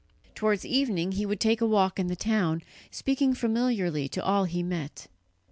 Towards evening he would take a walk in the town, speaking familiarly to all he met.